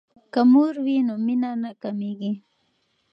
که مور وي نو مینه نه کمیږي.